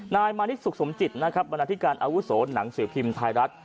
มานิดสุขสมจิตนะครับบรรณาธิการอาวุโสหนังสือพิมพ์ไทยรัฐ